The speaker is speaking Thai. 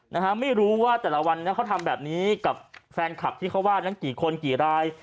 นะฮะไม่รู้ว่าแต่ละวันเนี่ยเขาทำแบบนี้กับแฟนคลับที่เขาว่านั้นกี่คนกี่ราย